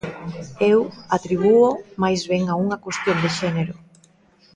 Eu atribúoo máis ben a unha cuestión de xénero.